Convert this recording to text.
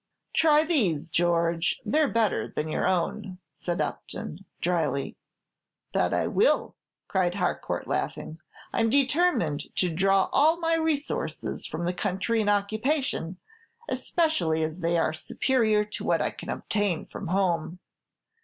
"Try these, George; they 're better than your own," said Upton, dryly. "That I will," cried Harcourt, laughing; "I'm determined to draw all my resources from the country in occupation, especially as they are superior to what I can obtain from home.